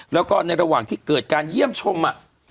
แล้วก็ในระหว่างที่เกิดการเยี่ยมชม